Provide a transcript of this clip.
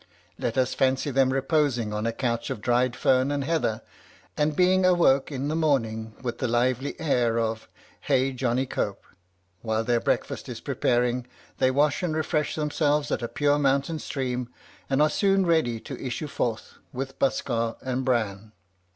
Let us fancy them reposing on a couch of dried fern and heather, and being awoke in the morning with the lively air of "Hey, Johnny Cope." While their breakfast is preparing, they wash and refresh themselves at a pure mountain stream, and are soon ready to issue forth with Buskar and Bran.